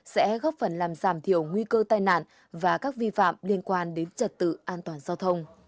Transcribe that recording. sẽ góp phần làm giảm thiểu nguy cơ tai nạn và các vi phạm liên quan đến trật tự an toàn giao thông